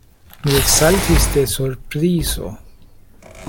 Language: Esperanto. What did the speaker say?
Mi eksaltis de surprizo.